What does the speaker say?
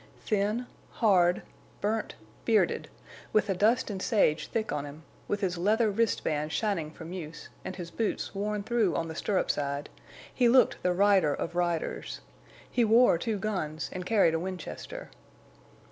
Thin, hard, burnt, bearded, with the dust and sage thick on him, with his leather wrist bands shining from use, and his boots worn through on the stirrup side, he looked the rider of riders. He wore two guns and carried a Winchester.